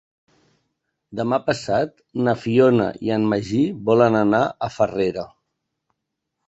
Demà passat na Fiona i en Magí volen anar a Farrera.